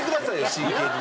真剣に。